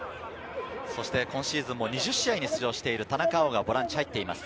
そして今シーズンも２０試合に出場している田中碧がボランチに入っています。